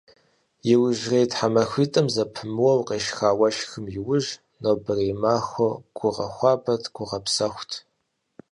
Иужьрей тхьэмахуитӏым зэпымыууэ къешха уэшхым иужь, нобэрей махуэр гугъэхуабэт, гугъэпсэхут.